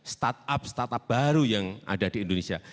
startup startup baru yang ada di indonesia